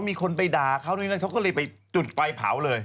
มีคนไปด่าเขานู่นนั่นเขาก็เลยไปจุดไฟเผาเลย